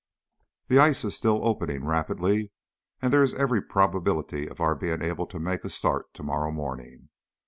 The ice is still opening rapidly, and there is every probability of our being able to make a start to morrow morning.